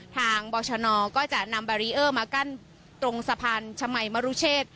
ทางบรชนก็จะนำแบรีเออร์มากั้นตรงสะพานชมัยมรุเชษ